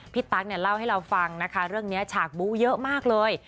ตั๊กเนี่ยเล่าให้เราฟังนะคะเรื่องนี้ฉากบู้เยอะมากเลย